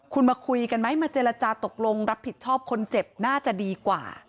คุณมาคุยกันไหมมาเจรจาตกลงรับผิดชอบคนเจ็บน่าจะดีกว่า